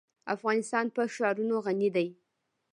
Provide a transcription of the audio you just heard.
افغانستان په ښارونه غني دی.